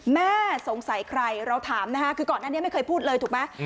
แม่สงสัยใครเราถามนะคะคือก่อนหน้านี้ไม่เคยพูดเลยถูกไหม